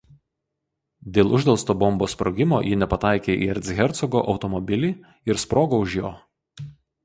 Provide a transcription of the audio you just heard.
Dėl uždelsto bombos sprogimo ji nepataikė į Erchercogo automobilį ir sprogo už jo.